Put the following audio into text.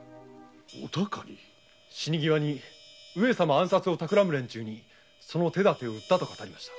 死に際に上様暗殺を企む連中にその手だてを売ったと語りました。